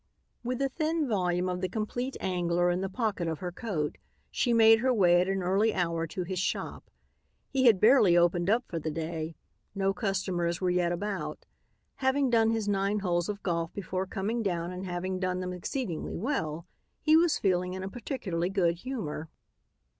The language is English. With the thin volume of "The Compleat Angler" in the pocket of her coat, she made her way at an early hour to his shop. He had barely opened up for the day. No customers were yet about. Having done his nine holes of golf before coming down and having done them exceedingly well, he was feeling in a particularly good humor.